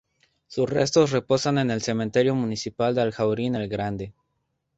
Sus restos reposan en el Cementerio Municipal de Alhaurín el Grande.